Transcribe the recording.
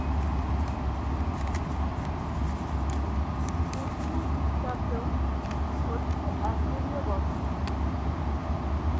April খ্রিস্টাব্দ, হচ্ছে অ্যাসিরীয় বছর।